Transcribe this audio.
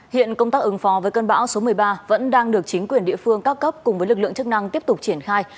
hiện công tác ứng phó với cơn bão số một mươi ba vẫn đang được chính quyền địa phương các cấp cùng với lực lượng chức năng tiếp tục triển khai